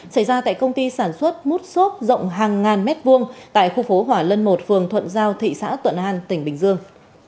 xảy ra tại công ty sản xuất mút xốp rộng hàng ngàn mét vuông tại khu phố hỏa lân một phường thuận giao thị xã thuận an tỉnh bình dương